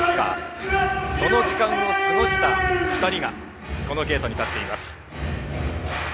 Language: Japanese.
その時間を過ごした２人がこのゲートに立っています。